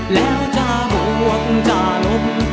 แล้วจะห่วงจะล้ม